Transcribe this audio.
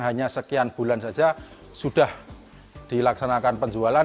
hanya sekian bulan saja sudah dilaksanakan penjualan